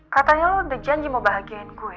katanya lo udah janji mau bahagiain gue